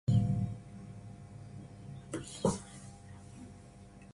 No audio